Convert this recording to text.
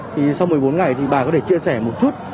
thì sau một mươi bốn ngày thì bà có thể chia sẻ một chút